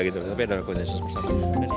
tapi adalah konsensus bersama